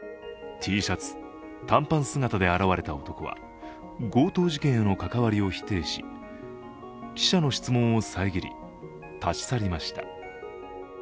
Ｔシャツ短パン姿で現れた男は強盗事件への関わりを否定し記者の質問を遮り立ち去りました。